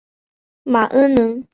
冯恩人。